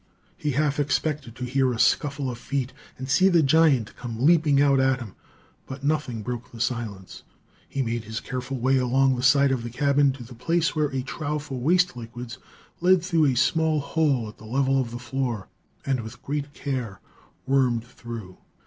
He half expected to hear a scuffle of feet and see the giant come leaping out at him; but nothing broke the silence. He made his careful way along the side of the cabin to the place where a trough for waste liquids led through a small hole at the level of the floor, and with great care wormed through.